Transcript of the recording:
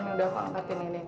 nih udah aku angkatin ini